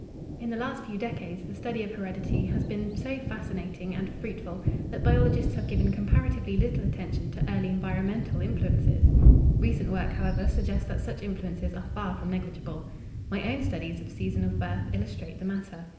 In the last few decades the study of heredity has been so fascinating and fruitful that biologists have given comparatively little attention to early environmental influences. Recent work, however, suggests that such influences are far from negligible. My own studies of season of birth illustrate the matter.